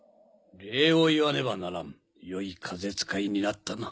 礼を言わねばならんよい風使いになったな。